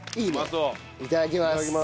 いただきます。